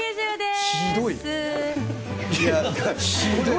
ひどい。